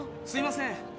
すいません。